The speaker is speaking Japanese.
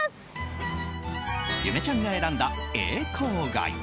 ゆめちゃんが選んだ永康街。